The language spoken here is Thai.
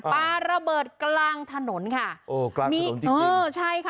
ปลาระเบิดกลางถนนค่ะโอ้กลางถนนจริงจริงเออใช่ค่ะ